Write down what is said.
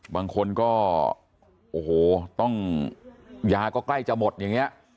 บางคนก็โอ้โหต้องยาก็ใกล้จะหมดอย่างนี้